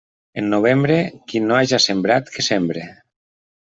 En novembre, qui no haja sembrat, que sembre.